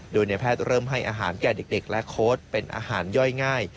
โดยในแพทย์เริ่มให้อาหารแก่เด็กและโค้ดเป็นอาหารย่อยง่าย